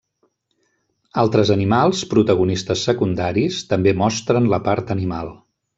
Altres animals, protagonistes secundaris, també mostren la part animal.